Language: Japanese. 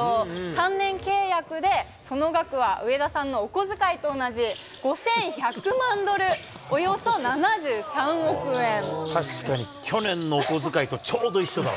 ３年契約でその額は上田さんのお小遣いと同じ、５１００万ドル、確かに、去年のお小遣いとちょうど一緒だわ。